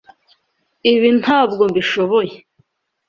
Ibi ntabwo mbishoboye.